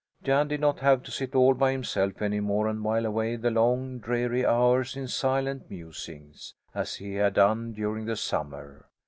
Jan did not have to sit all by himself any more and while away the long, dreary hours in silent musings, as he had done during the summer.